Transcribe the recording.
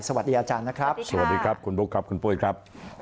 สวัสดีอาจารย์นะครับสวัสดีครับคุณบุ๊คครับคุณปุ้ยครับ